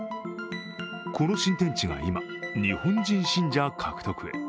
この新天地が今、日本人信者獲得へ。